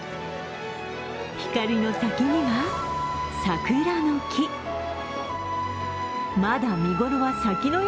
光の先には桜の木。